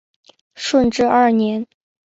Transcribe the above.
顺治二年。